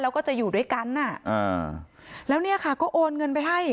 แล้วก็จะอยู่ด้วยกันอ่ะอ่าแล้วเนี่ยค่ะก็โอนเงินไปให้